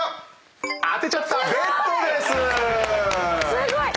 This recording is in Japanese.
すごい！